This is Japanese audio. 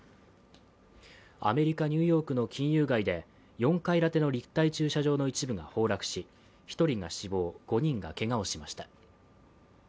アメリカ・ニューヨークの金融街で４階建ての立体駐車場の一部が崩落し１人が死亡、５人がけがをしました。